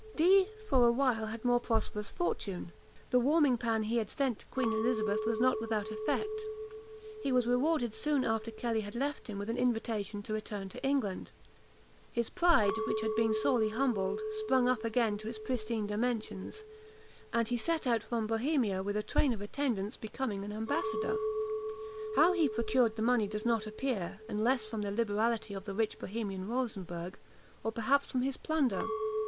Dee, for a while, had more prosperous fortune. The warming pan he had sent to Queen Elizabeth was not without effect. He was rewarded soon after Kelly had left him with an invitation to return to England. His pride, which had been sorely humbled, sprang up again to its pristine dimensions, and he set out from Bohemia with a train of attendants becoming an ambassador. How he procured the money does not appear, unless from the liberality of the rich Bohemian Rosenberg, or perhaps from his plunder.